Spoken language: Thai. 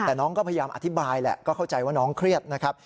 แต่น้องก็พยายามอธิบายแหละก็เข้าใจว่าน้องเครียดนะครับ